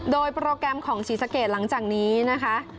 โดยโปรแกรมของศรีสะเกดหลังจากนี้นะคะ